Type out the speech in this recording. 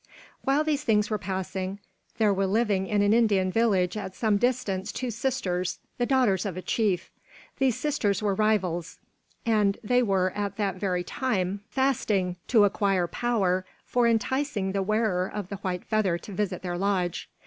While these things were passing, there were living in an Indian village at some distance two sisters, the daughters of a chief. These sisters were rivals, and they were at that very time fasting to acquire power for enticing the wearer of the white feather to visit their lodge.